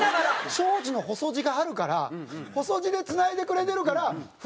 庄司の細字があるから細字でつないでくれてるから太字生きてくれる。